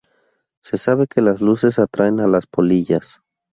Se sabe que las luces atraen a las polillas.